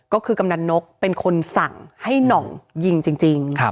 ก็คือกำนันนกเป็นคนสั่งให้หน่องยิงจริง